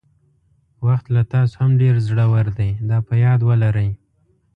وخت له تاسو هم ډېر زړور دی دا په یاد ولرئ.